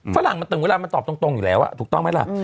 ฝรั่งมันถึงเวลามันตอบตรงอยู่แล้วถูกต้องไหมล่ะ